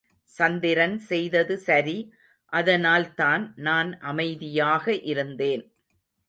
சந்திரன் செய்தது சரி அதனால் தான் நான் அமைதியாக இருந்தேன்.